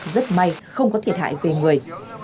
rất may không có thiệt hại về người